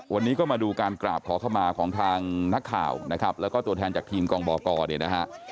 วันนี้ก็มาดูการกราบขอเข้ามาของทางนักข่าวนะครับแล้วก็ตัวแทนจากทีมกองบกเนี่ยนะฮะ